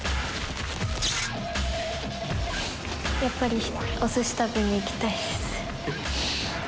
やっぱり。